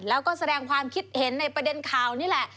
แล้วก็แสดงความคิดเห็นในประเด็นข่าวนี่แหละ